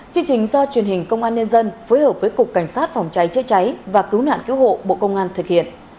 chương trình do truyền hình công an nhân dân phối hợp với cục cảnh sát phòng cháy chế cháy và cứu nạn cứu hộ bộ công an thực hiện